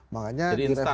makanya direvisi terbatas